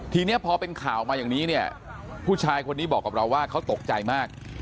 ทีนี้พอเป็นข่าวมาอย่างนี้เนี่ยผู้ชายคนนี้บอกกับเราว่าเขาตกใจมาก